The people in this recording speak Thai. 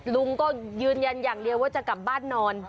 ลุงก็ยืนยันอย่างเดียวว่าจะกลับบ้านนอน